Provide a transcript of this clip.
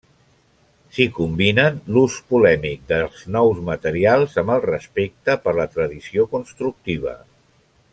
S'hi combinen l'ús polèmic dels nous materials amb el respecte per la tradició constructiva.